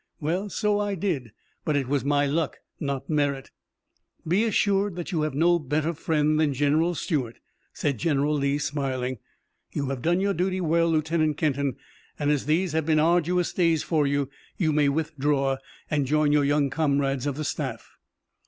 "Well, so I did, but it was my luck, not merit." "Be assured that you have no better friend than General Stuart," said General Lee, smiling. "You have done your duty well, Lieutenant Kenton, and as these have been arduous days for you you may withdraw, and join your young comrades of the staff."